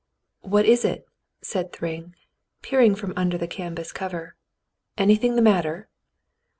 "What is it ?" said Thryng, peering from under the can vas cover. "Anything the matter